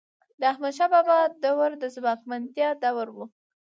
د احمدشاه بابا دور د ځواکمنتیا دور و.